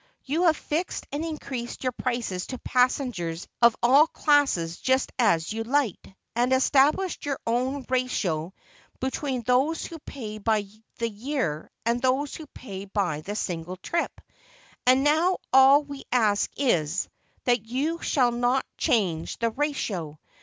You have fixed and increased your prices to passengers of all classes just as you liked, and established your own ratio between those who pay by the year, and those who pay by the single trip; and now, all we ask is, that you shall not change the ratio.